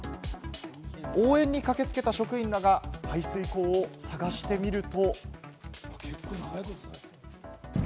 応援に駆けつけた職員らが排水口を探してみると。